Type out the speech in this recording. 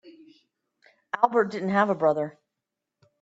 Albert didn't have a brother.